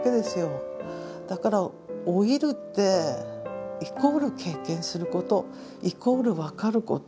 だから老いるってイコール経験することイコール分かること。